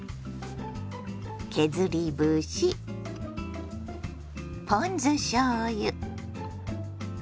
削り節ポン酢しょうゆ